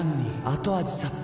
後味さっぱり．．．